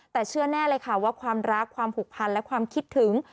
แต่เชื่อแน่เลยค่ะว่าความรักความผูกพันและความคิดถึง